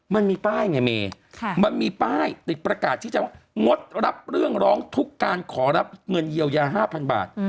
มันมีป้ายไงเมมันมีป้ายติดประกาศที่จะว่างดรับเรื่องร้องทุกข์การขอรับเงินเยียวยา๕๐๐บาท